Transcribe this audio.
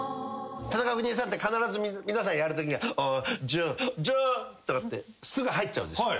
田中邦衛さんって必ず皆さんやるときには「おい純純！」とかってすぐ入っちゃう。